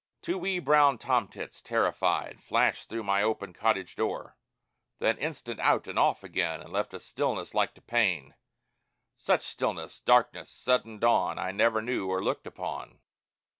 Two wee brown tomtits, terrified, Flashed through my open cottage door; Then instant out and off again And left a stillness like to pain Such stillness, darkness, sudden dawn I never knew or looked upon!